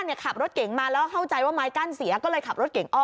ขับรถเก่งมาแล้วเข้าใจว่าไม้กั้นเสียก็เลยขับรถเก่งอ้อ